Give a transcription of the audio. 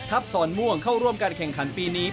สอนม่วงเข้าร่วมการแข่งขันปีนี้